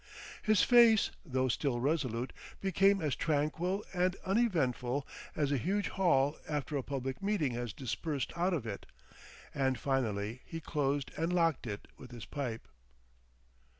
His face, though still resolute, became as tranquil and uneventful as a huge hall after a public meeting has dispersed out of it, and finally he closed and locked it with his pipe.